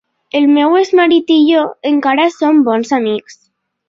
El meu exmarit i jo encara som bons amics.